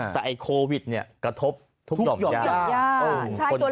แต่ไอ้โควิดเนี่ยกระทบทุกหย่อมยาม